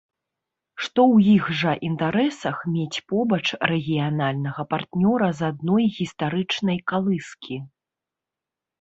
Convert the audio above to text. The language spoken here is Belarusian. Што ў іх жа інтарэсах мець побач рэгіянальнага партнёра з адной гістарычнай калыскі.